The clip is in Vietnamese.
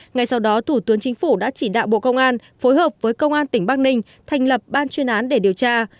ngay sau đó thủ tướng chính phủ đã chỉ đạo bộ công an phối hợp với công an tỉnh bắc ninh thành lập ban chuyên án để điều tra